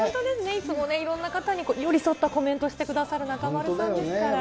いつもいろんな方に寄り添ったコメントしてくださる中丸さんですから。